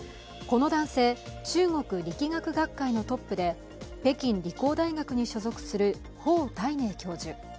この男性、中国力学学会のトップで北京理工大学に所属する方岱寧教授。